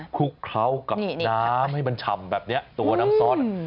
ลุกเคล้ากับน้ำให้มันฉ่ำแบบนี้ตัวน้ำซอส